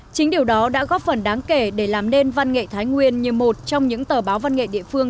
chính điều đó đã góp phần đáng kể để làm nên văn nghệ thái nguyên như một trong những tờ báo văn nghệ địa phương